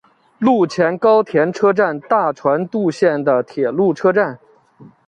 陆前高田车站大船渡线的铁路车站。